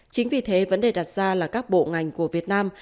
chính vì thế vấn đề đặt ra là các bộ ngành của việt nam